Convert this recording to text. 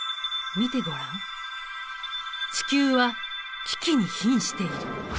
見てごらん地球は危機にひんしている。